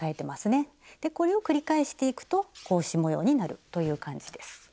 これを繰り返していくと格子模様になるという感じです。